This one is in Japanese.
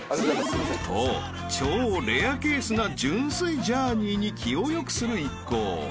［と超レアケースな純粋ジャーニーに気を良くする一行］